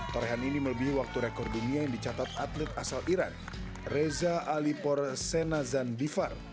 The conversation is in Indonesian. torehan ini melebihi waktu rekor dunia yang dicatat atlet asal iran reza alipora senazan divar